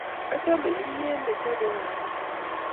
Achame kimnyet ne chopei kamet